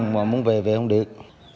mà muốn về về không được